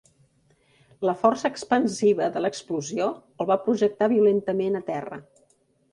La força expansiva de l'explosió el va projectar violentament a terra.